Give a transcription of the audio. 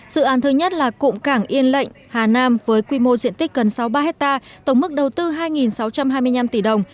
dự án thứ nhất là cụm cảng yên lệnh hà nam với quy mô diện tích gần sáu mươi ba hectare tổng mức đầu tư hai sáu trăm hai mươi năm tỷ đồng